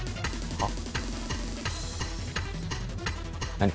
はっ？